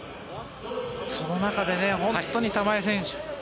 その中で本当に玉井選手